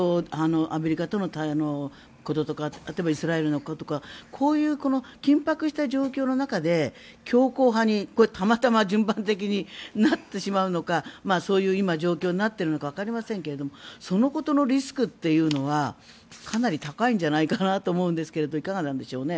アメリカとのこととかイスラエルのこととか緊迫した状況の中で強硬派にたまたま順番的になってしまうのかそういう今状況になっているのかわかりませんがそのことのリスクというのはかなり高いんじゃないかなと思うんですけどいかがなんでしょうね。